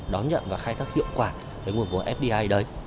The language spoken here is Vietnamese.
đón nhận và khai thác hiệu quả cái nguồn vốn fdi đấy